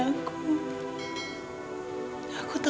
aku tau kau adalah orang yang sangat berdosa